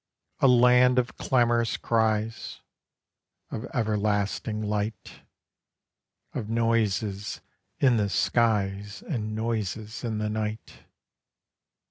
A Land of clamorous cries; Of everlasting light; Of noises in the skies And noises in the night.